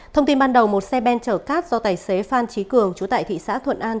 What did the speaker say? thông tin ban đầu một xe ben chở cát do tài xế phan trí cường chú tại thị xã thuận an